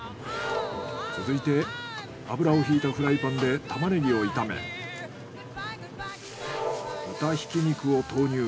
続いて油をひいたフライパンでタマネギを炒め豚挽肉を投入。